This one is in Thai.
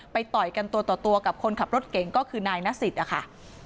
ต่อยกันตัวต่อตัวกับคนขับรถเก่งก็คือนายนสิทธิ์นะคะ